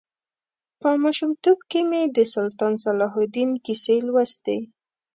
په ماشومتوب کې مې د سلطان صلاح الدین کیسې لوستې.